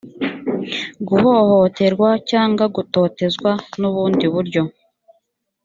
guhohoterwa cyangwa gutotezwa n ubundi buryo